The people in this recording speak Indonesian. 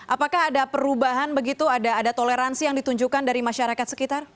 apakah ada perubahan begitu ada toleransi yang ditunjukkan dari masyarakat sekitar